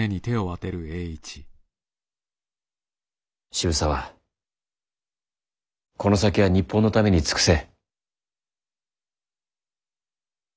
渋沢この先は日本のために尽くせ。